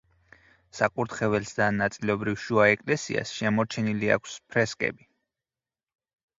საკურთხეველს და ნაწილობრივ შუა ეკლესიას შემორჩენილი აქვს ფრესკები.